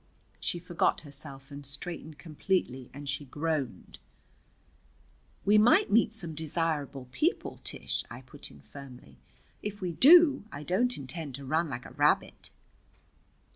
She forgot herself and straightened completely, and she groaned. "We might meet some desirable people, Tish," I put in firmly. "If we do, I don't intend to run like a rabbit."